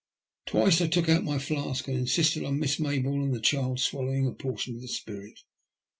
Twice I took out my flask and insisted on Miss Mayboume and the child swallowing a portion of the spirit.